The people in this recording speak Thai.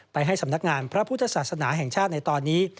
ให้สำนักงานพระพุทธศาสนาแห่งชาติในตอนนี้